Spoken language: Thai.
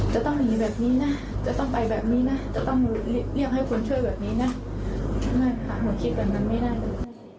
จะต้องเลี่ยงให้คนช่วยแบบนี้น่ะไม่ค่ะเหมือนคิดแบบนั้นไม่ได้